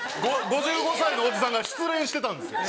５５歳のおじさんが失恋してたんですよ。